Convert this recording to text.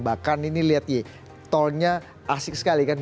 bahkan ini lihat tolnya asik sekali kan